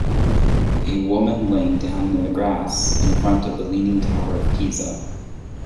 A woman laying down in the grass in front of the leaning tower of Pisa